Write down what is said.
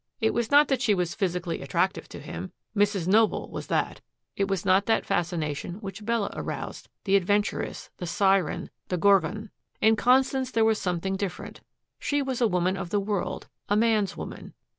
It was not that she was physically attractive to him. Mrs. Noble was that. It was not that fascination which Bella aroused, the adventuress, the siren, the gorgon. In Constance there was something different. She was a woman of the world, a man's woman.